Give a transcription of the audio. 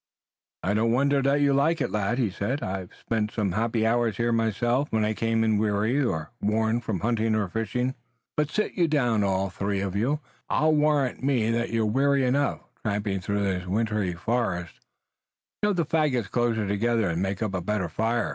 "I don't wonder that you like it, lad," he said. "I've spent some happy hours here myself, when I came in weary or worn from hunting or fishing. But sit you down, all three of you. I'll warrant me that you're weary enough, tramping through this wintry forest. Blunt, shove the faggots closer together and make up a better fire."